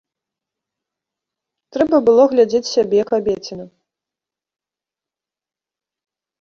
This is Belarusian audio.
Трэба было глядзець сябе, кабеціна.